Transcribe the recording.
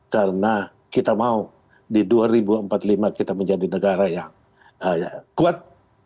karena kita mau di dua ribu empat puluh lima kita menjadi negara yang kuat